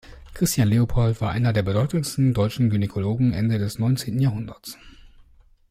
Christian Leopold war einer der bedeutendsten deutschen Gynäkologen Ende des neunzehnten Jahrhunderts.